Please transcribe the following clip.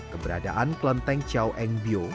keberadaan kelenteng chow eng byo